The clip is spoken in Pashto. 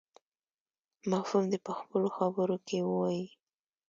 مفهوم دې په خپلو خبرو کې ووایي.